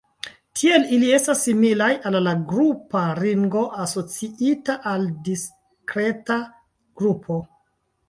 Tiel ili estas similaj al la grupa ringo asociita al diskreta grupo.